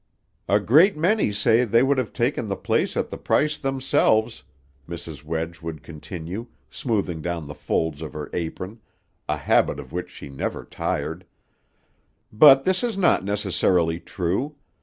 "A great many say they would have taken the place at the price themselves," Mrs. Wedge would continue, smoothing down the folds of her apron, a habit of which she never tired, "but this is not necessarily true.